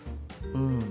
うん。